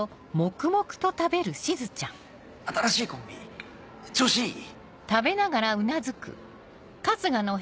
新しいコンビ調子いい？